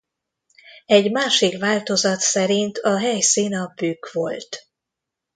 Egy másik változat szerint a helyszín a Bükk volt.